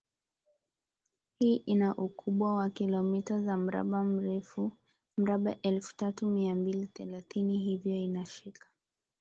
hii ina ukubwa wa kilometa za mraba elfu tatu mia mbili thelathini hivyo inashika